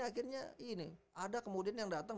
akhirnya ini ada kemudian yang datang